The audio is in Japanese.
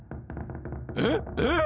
えっえっ。